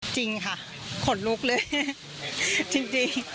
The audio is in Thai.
จริงค่ะขนลุกเลยจริง